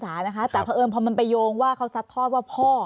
แต่เพราะเอิญพอมันไปโยงว่าเขาซัดทอดว่าพ่อ